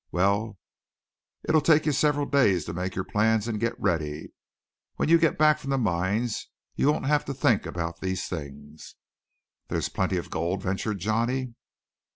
Well, it'll take you several days to make your plans and get ready. When you get back from the mines you won't have to think about these things." "There's plenty of gold?" ventured Johnny.